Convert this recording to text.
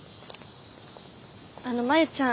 あの真夕ちゃん